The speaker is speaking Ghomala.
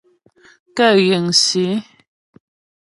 Kə yiŋsǐ.